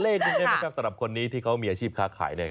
แนะนำสักเลขได้ไหมครับสำหรับคนนี้ที่เขามีอาชีพค้าข่าย